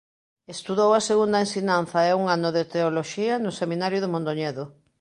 Estudou a segunda ensinanza e un ano de Teoloxía no Seminario de Mondoñedo.